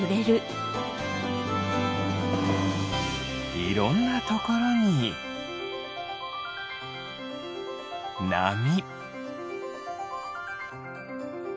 いろんなところになみ。